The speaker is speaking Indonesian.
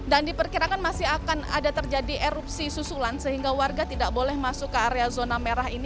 dan diperkirakan masih akan ada terjadi erupsi susulan sehingga warga tidak boleh masuk ke area zona merah ini